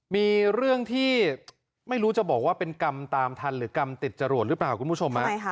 มีเรื่องที่ไม่รู้จะบอกว่าเป็นกรรมตามทันหรือกรรมติดจรวดหรือเปล่าคุณผู้ชม